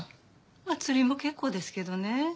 ま釣りも結構ですけどね